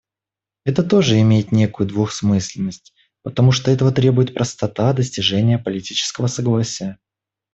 Это тоже имеет некую двусмысленность, потому что этого требует простота достижения политического согласия.